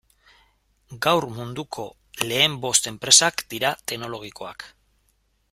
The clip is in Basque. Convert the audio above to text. Gaur munduko lehen bost enpresak dira teknologikoak.